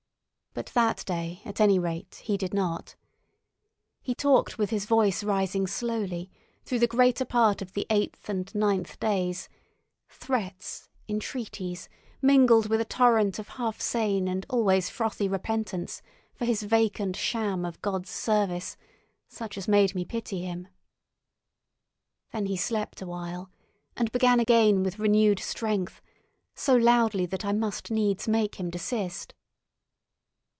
But that day, at any rate, he did not. He talked with his voice rising slowly, through the greater part of the eighth and ninth days—threats, entreaties, mingled with a torrent of half sane and always frothy repentance for his vacant sham of God's service, such as made me pity him. Then he slept awhile, and began again with renewed strength, so loudly that I must needs make him desist.